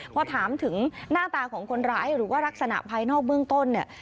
พอถามถึงหน้าตาของคนร้ายหรือว่ารักษณะภายนอกเบื้องต้นเนี่ย